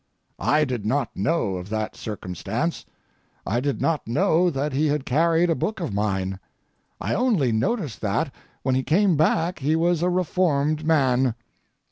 I did not know of that circumstance. I did not know that he had carried a book of mine. I only noticed that when he came back he was a reformed man.